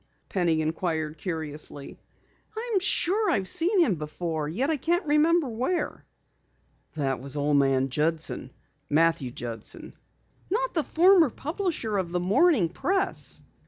Penny inquired curiously. "I am sure I've seen him before, yet I can't remember where." "That was old man Judson. Matthew Judson." "Not the former publisher of the Morning Press!"